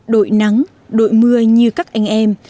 đội nắng đội mưa như các anh em